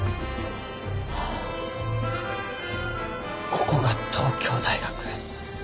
ここが東京大学。